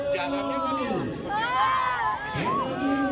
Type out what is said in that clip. kalau untuk susah ya tidak terlalu